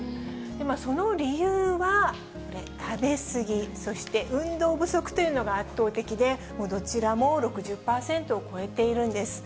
その理由がこれ、食べ過ぎ、そして運動不足というのが圧倒的で、どちらも６０％を超えているんです。